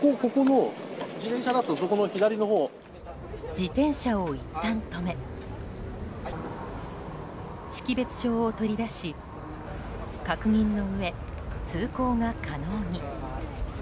自転車をいったん止め識別証を取り出し確認のうえ通行が可能に。